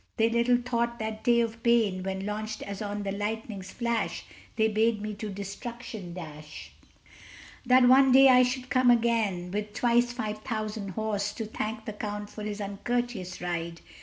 They little thought, that day of pain When, launched as on the lightning's flash, They bade me to destruction dash, That one day I should come again, With twice five thousand horse, to thank The Count for his uncourteous ride.